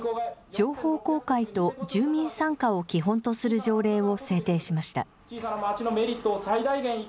情報公開と住民参加を基本とする条例を制定しました。